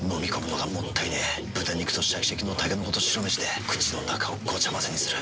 豚肉とシャキシャキのたけのこと白めしで口の中をごちゃ混ぜにする。